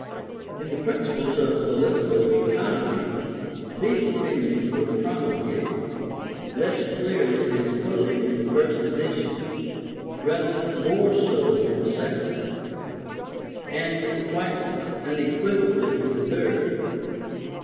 In the Principles of Political Economy, these opinions were promulgated, less clearly and fully in the first edition, rather more so in the second, and quite unequivocally in the third.